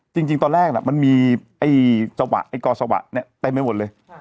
จริงจริงตอนแรกมันมีไอ้สวะไอ้กอสวะเนี่ยไปไม่หมดเลย